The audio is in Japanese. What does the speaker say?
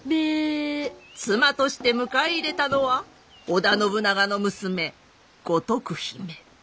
妻として迎え入れたのは織田信長の娘五徳姫。